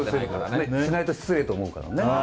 しないと失礼と思うからね。